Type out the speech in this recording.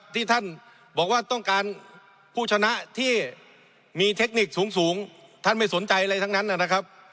ที่ท่านบอกว่าต้องการผู้ชนะที่มีเทคนิคสูงท่านไม่สนใจอะไรทั้งนั้นนะครับ